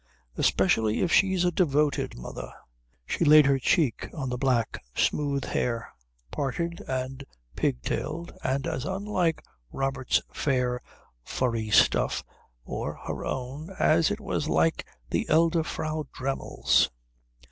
"Especially if she's a devoted mother." She laid her cheek on the black smooth hair, parted and pigtailed and as unlike Robert's fair furry stuff or her own as it was like the elder Frau Dremmel's.